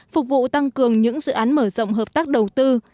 phục vụ tăng cường những dự án mở rộng hợp tác đầu tư